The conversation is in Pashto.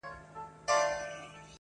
• ډېوې پوري.